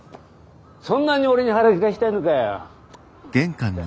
そんなに俺に腹切らせたいのかよ。